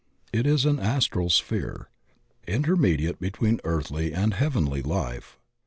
It is an astral sphere intermediate between earthly and heavenly Ufe.